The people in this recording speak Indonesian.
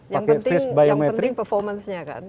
yang penting performance nya kan